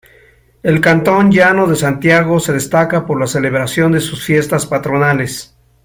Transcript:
El Cantón Llano de Santiago, se destaca por la celebración de sus Fiestas Patronales.